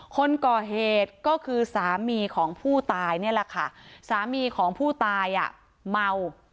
คนก่อเหตุก็คือสามีของผู้ตายนี่แหละค่ะสามีของผู้ตายอ่ะเมา